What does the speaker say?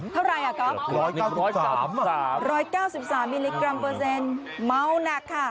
เท่าไรอ่ะก๊อฟ๑๓๓๙๓มิลลิกรัมเปอร์เซ็นต์เมาหนักค่ะ